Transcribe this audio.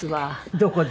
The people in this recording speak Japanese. どこで？